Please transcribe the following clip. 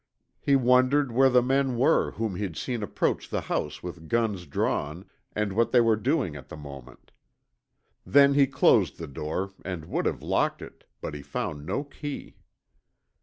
He wondered where the men were whom he'd seen approach the house with guns drawn, and what they were doing at the moment. Then he closed the door and would have locked it, but he found no key.